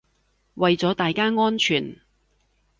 為咗大家安全